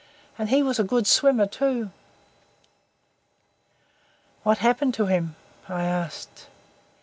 And he was a good swimmer too." "What happened to him?" I asked.